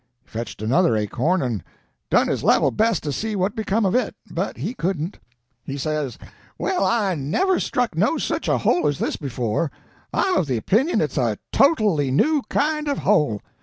He fetched another acorn, and done his level best to see what become of it, but he couldn't. He says, 'Well, I never struck no such a hole as this before; I'm of the opinion it's a totally new kind of a hole.'